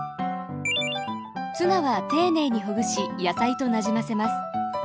ツナは丁寧にほぐし野菜となじませます。